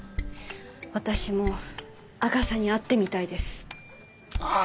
私もアガサに会ってみたいですあっ